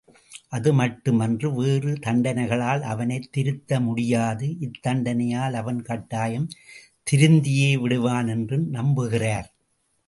அது மட்டுமன்று வேறு தண்டனைகளால் அவனைத் திருத்த முடியாது இத்தண்டனையால் அவன் கட்டாயம் திருந்தியே விடுவான் என்றும் நம்புகிறார்.